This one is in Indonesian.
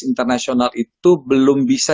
internasional itu belum bisa